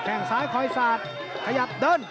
แค่งซ้ายคอยสาดขยับเดิน